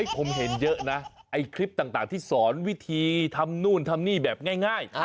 ผมเห็นเยอะนะไอ้คลิปต่างที่สอนวิธีทำนู่นทำนี่แบบง่าย